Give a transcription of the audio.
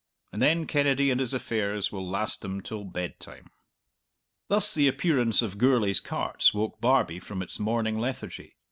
And then Kennedy and his affairs will last them till bedtime. Thus the appearance of Gourlay's carts woke Barbie from its morning lethargy.